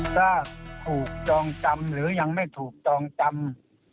ถ้าถูกจองจำหรือยังไม่ถูกจองจำ